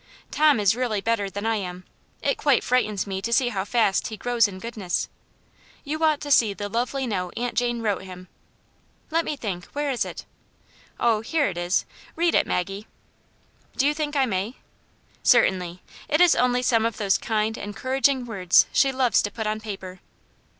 Tom is really better than I am ; it quite frightens me to see how fast he grows in good ness. You ought to see the lovely note Aunt Jane wrote him. Let me think, where is it ? Oh, here it is; read it, Maggie." " Do you think I may ?"" Certainly. It is only some of those kind, en couraging words she loves to put on paper."